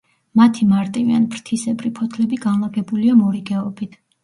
მათი მარტივი ან ფრთისებრი ფოთლები განლაგებულია მორიგეობით.